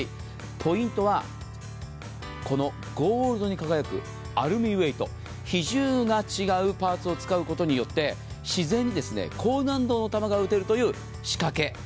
ポイントはゴールドに輝くアルミウェイト、比重が違うパーツを使うことによって自然に高難度の球が打てるという仕掛け。